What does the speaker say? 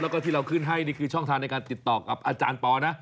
แล้วก็ที่เราขึ้นให้นี่คือช่องทางในการติดต่อกับอาจารย์ปอนะ